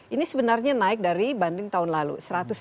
ini sebenarnya naik dari banding tahun lalu satu ratus sembilan belas